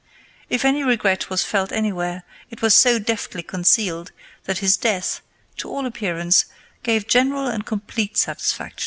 If any regret was felt anywhere, it was so deftly concealed that his death, to all appearance, gave general and complete satisfaction.